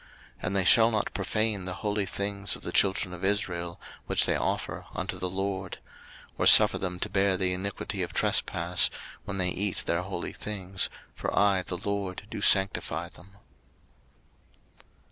03:022:015 And they shall not profane the holy things of the children of Israel, which they offer unto the LORD; 03:022:016 Or suffer them to bear the iniquity of trespass, when they eat their holy things: for I the LORD do sanctify them.